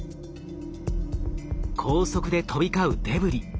高速で飛び交うデブリ。